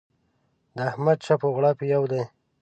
د احمد چپ و غړوپ يو دی.